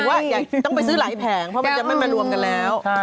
ว่าต้องไปซื้อหลายแผงเพราะมันจะไม่มารวมกันแล้ว